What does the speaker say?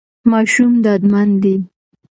ماشوم ډاډمن دی.